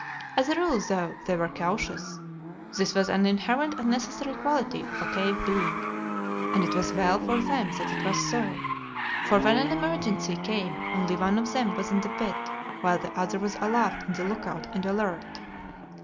As a rule, though, they were cautious this was an inherent and necessary quality of a cave being and it was well for them that it was so, for when an emergency came only one of them was in the pit, while the other was aloft in the lookout and alert.